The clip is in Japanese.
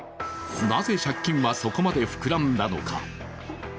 なぜ借金はそこまで膨らんだのか。